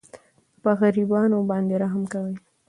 په غریبانو باندې رحم کوئ.